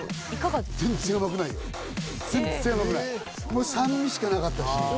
もう酸味しかなかったし。